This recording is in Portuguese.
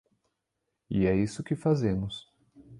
E é isso que fazemos.